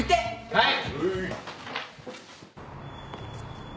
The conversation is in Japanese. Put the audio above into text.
はい。